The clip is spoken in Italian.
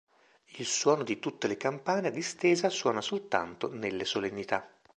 Il suono di tutte le campane a distesa suona soltanto nelle solennità.